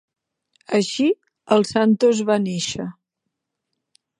Així, el "Santos" va néixer.